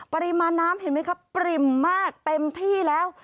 ปริมาณน้ำเห็นไหมครับปริ่มมากเต็มที่แล้ว